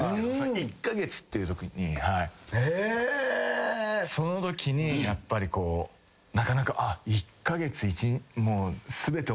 １カ月っていうときにそのときにやっぱりこうなかなか。